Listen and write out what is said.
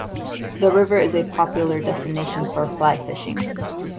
The river is a popular destination for fly fishing.